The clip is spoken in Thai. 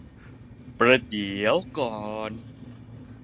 ประเดี๋ยวก่อน